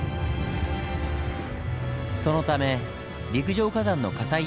そのため陸上火山のかたい